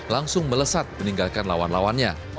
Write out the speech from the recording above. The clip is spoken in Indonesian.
langsung melesat meninggalkan lawan lawannya